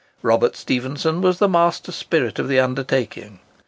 Robert Stephenson was the master spirit of the undertaking.